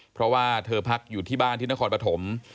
เพราะว่าเธอพักอยู่ที่บ้านที่นครปฐม